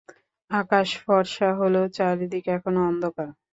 আকাশ ফরসা হলেও চারদিক এখনো অন্ধকার!